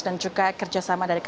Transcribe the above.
dan juga kerja sahabatnya